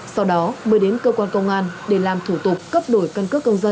sau đó mới đến cơ quan công an để làm thủ tục cấp đổi căn cước công dân